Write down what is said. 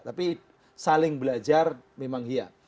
tapi saling belajar memang iya